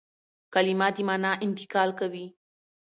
کلیمه د مانا انتقال کوي.